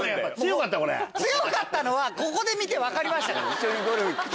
強かったのはここで見て分かりました。